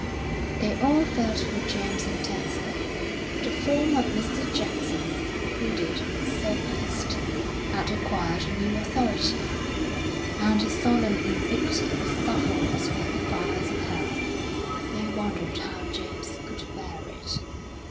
They all felt for James intensely; the form of Mr. Jackson, hooded and surpliced, had acquired a new authority, and his solemn invective was sulphurous with the fires of Hell. They wondered how James could bear it.